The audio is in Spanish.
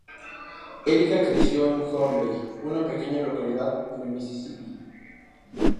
Erica creció en Hurley, una pequeña localidad en el Mississippi.